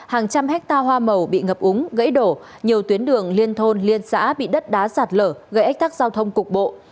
hàng trăm hectare hoa màu bị ngập úng gãy đổ nhiều tuyến đường liên thôn liên xã bị đất đá sạt lở gây ách tắc giao thông cục bộ